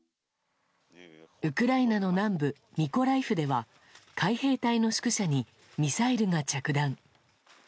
ウクライナの南部ミコライフでは海兵隊の宿舎にミサイルが着弾。